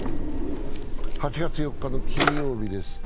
８月４日の金曜日です。